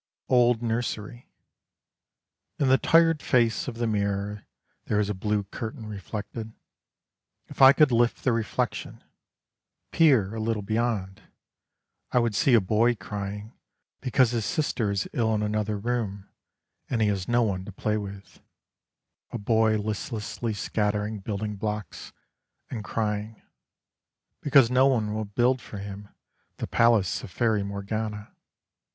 OLD NURSERY In the tired face of the mirror There is a blue curtain reflected. If I could lift the reflection, Peer a little beyond, I would see A boy crying Because his sister is ill in another room And he has no one to play with: A boy listlessly scattering building blocks, And crying, Because no one will build for him the palace of Fairy Morgana.